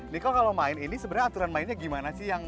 niko kalau main ini sebenarnya aturan mainnya gimana sih